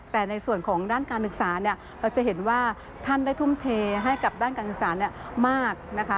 แต่ในส่วนของด้านการศึกษาเราจะเห็นว่าท่านได้ทุ่มเทให้กับด้านการศึกษามากนะคะ